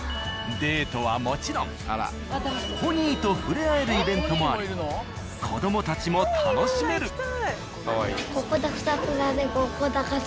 デートはもちろんポニーと触れ合えるイベントもあり子どもたちも楽しめる。